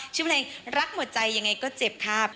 ชื่อเพลงรักหัวใจยังไงก็เจ็บคาบ